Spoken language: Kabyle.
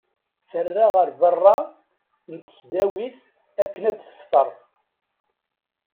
Terra ɣer berra n tesdawit akken ad tefḍer.